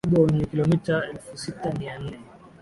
ukubwa wenye kilometa elfusita mia nne